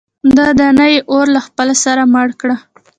که دانا يې اور له خپله سره مړ کړه.